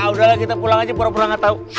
udah lah kita pulang aja pura pura gak tau